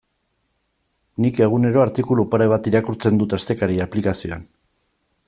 Nik egunero artikulu pare bat irakurtzen dut Astekaria aplikazioan.